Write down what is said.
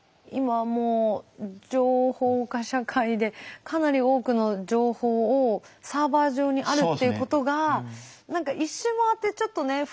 今はもう情報化社会でかなり多くの情報をサーバー上にあるっていうことが一周回ってちょっとね